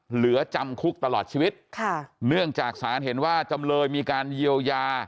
เหลือจำคุกตลอดชีวิตค่ะเนื่องจากศาลเห็นว่าจำเลยมีการเยียวยา